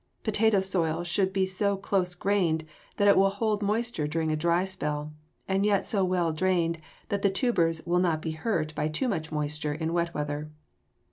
Potato soil should be so close grained that it will hold moisture during a dry spell and yet so well drained that the tubers will not be hurt by too much moisture in wet weather.